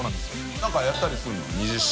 何かやったりするの？